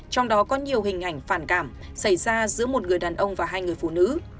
trong đó có nhiều hình ảnh phản cảm xảy ra giữa một người đàn ông và hai người phụ nữ